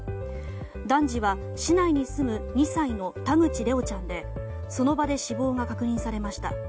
男児は市内に住む２歳の田口怜旺ちゃんでその場で死亡が確認されました。